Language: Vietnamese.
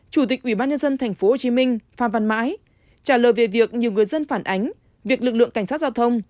chủ tịch ubnd tp hcm phan văn mãi trả lời về việc nhiều người dân phản ánh việc lực lượng cảnh sát giao thông